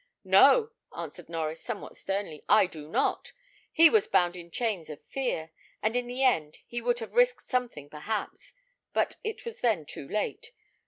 "No!" answered Norries, somewhat sternly, "I do not. He was bound in chains of fear; and in the end he would have risked something perhaps; but it was then too late.